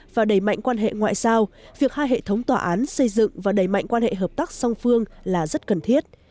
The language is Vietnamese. và đẩy mạnh quan hệ ngoại giao việc hai hệ thống tòa án xây dựng và đẩy mạnh quan hệ hợp tác song phương là rất cần thiết